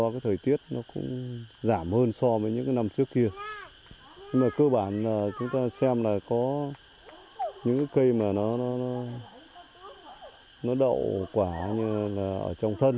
chúng ta xem là có những cây mà nó đậu quả như là ở trong thân